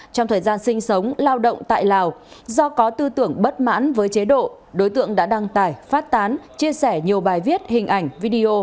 trong thời gian sinh sống lao động tại lào do có tư tưởng bất mãn với chế độ đối tượng đã đăng tải phát tán chia sẻ nhiều bài viết hình ảnh video